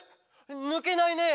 ぬけないねえ！！」